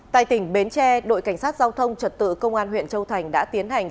tại tỉnh bến tre đội cảnh sát giao thông trật tự công an huyện châu thành đã tiến hành